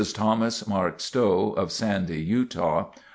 Thomas Mark Stowe of Sandy, Utah.